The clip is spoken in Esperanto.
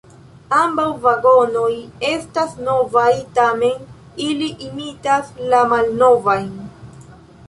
Ambaŭ vagonoj estas novaj, tamen ili imitas la malnovajn.